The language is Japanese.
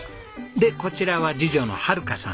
でこちらは次女の遥香さん